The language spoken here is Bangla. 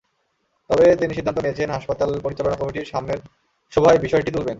তবে তিনি সিদ্ধান্ত নিয়েছেন, হাসপাতাল পরিচালনা কমিটির সামনের সভায় বিষয়টি তুলবেন।